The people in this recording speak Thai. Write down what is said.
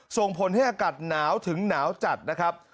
ส่งผลให้อากาศหนาวถึงหนาวจัดนะครับ